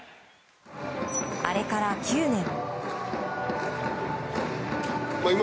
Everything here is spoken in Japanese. あれから９年。